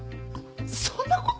そんなこと。